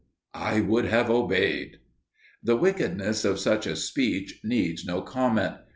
"I would have obeyed." The wickedness of such a speech needs no comment.